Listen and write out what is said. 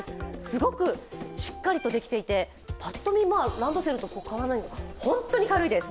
すごくしっかりとできていてパッと見ランドセルと変わらないホントに軽いです！